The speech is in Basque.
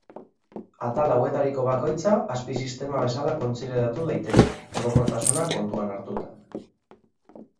Atal hauetariko bakoitza azpi-sistema bezala kontsideratu daiteke, orokortasuna kontutan hartuta.